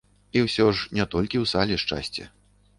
І ўсё ж не толькі ў сале шчасце.